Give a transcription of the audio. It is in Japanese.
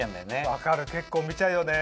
分かる結構見ちゃうよね。